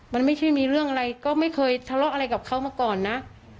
มันไม่ใช่มีเรื่องอะไรก็ไม่เคยทะเลาะอะไรกับเขามาก่อนนะ